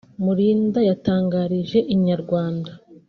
Murinda yatangarije inyarwanda